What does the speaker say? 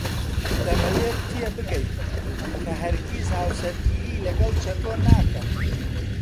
دەمەوێت تێبگەیت کە هەرگیز هاوسەرگیری لەگەڵ چەتۆ ناکەم.